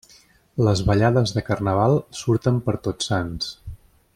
Les ballades de Carnaval surten per Tots Sants.